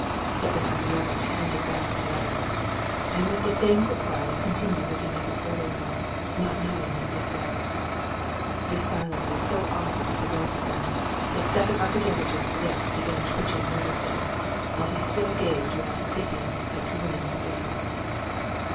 Stepan Arkadyevitch handed back the letter, and with the same surprise continued looking at his brother in law, not knowing what to say. This silence was so awkward for both of them that Stepan Arkadyevitch's lips began twitching nervously, while he still gazed without speaking at Karenin's face.